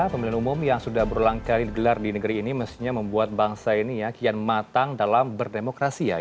pemilihan umum yang sudah berulang kali digelar di negeri ini mestinya membuat bangsa ini ya kian matang dalam berdemokrasi ya